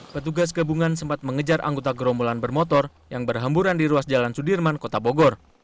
petugas gabungan sempat mengejar anggota gerombolan bermotor yang berhamburan di ruas jalan sudirman kota bogor